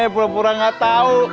pura pura gak tahu